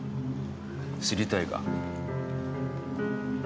知りたいか？